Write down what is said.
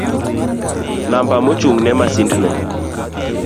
Namba mochung'ne masindno